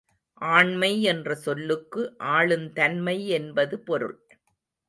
ஆண்மை என்ற சொல்லுக்கு ஆளுந் தன்மை என்பது பொருள்.